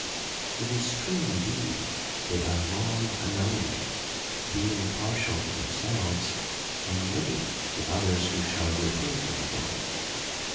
It is true indeed, they are long a knowing it, being partial to themselves, and witty to others who shall reprove them for it.